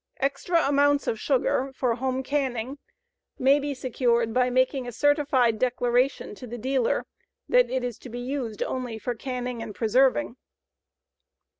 Extra amounts of sugar for home canning may be secured by making a certified declaration to the dealer that it is to be used only for canning and preserving.